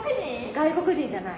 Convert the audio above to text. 外国人じゃない。